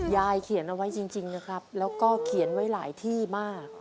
ยายเขียนเอาไว้จริงนะครับแล้วก็เขียนไว้หลายที่มาก